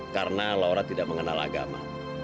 karena laura tidak mengenal agama